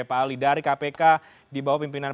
pak ali dari kpk di bawah pimpinan